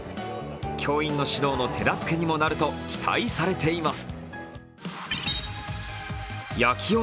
教員の指導の手助けにもなると期待されています。